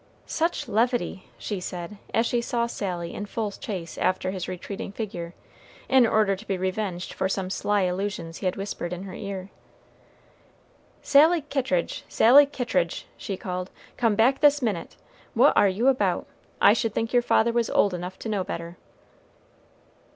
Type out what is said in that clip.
"Such levity!" she said, as she saw Sally in full chase after his retreating figure, in order to be revenged for some sly allusions he had whispered in her ear. "Sally Kittridge! Sally Kittridge!" she called, "come back this minute. What are you about? I should think your father was old enough to know better."